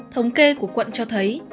thống kê của quận cho thấy